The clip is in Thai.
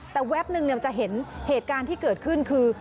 แต่แป๊บนึงจะเห็นเหตุการณ์ที่เกิดขึ้นคือ